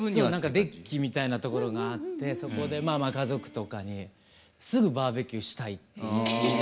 デッキみたいなところがあってそこで家族とかにすぐバーベキューしたいって言いだしちゃうんですよね。